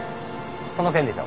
その件でしょ？